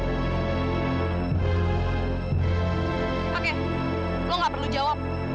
oke lo gak perlu jawab